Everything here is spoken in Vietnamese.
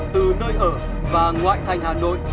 từ nơi ở và ngoại thành hà nội